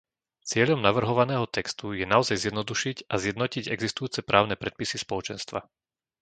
Cieľom navrhovaného textu je naozaj zjednodušiť a zjednotiť existujúce právne predpisy Spoločenstva.